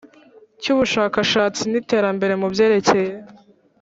cy Ubushakashatsi n Iterambere mu byerekeye